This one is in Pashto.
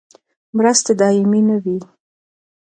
مرستې دایمي نه وي